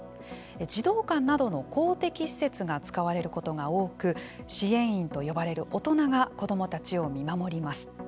児童館などの公的施設が使われることが多く支援員と呼ばれる大人が子どもたちを見守ります。